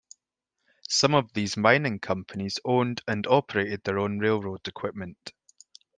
Some of these mining companies owned and operated their own railroad equipment.